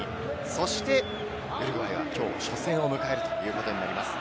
そしてウルグアイはきょう初戦を迎えるということになっています。